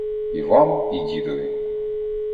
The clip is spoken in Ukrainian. І вам, і дідові.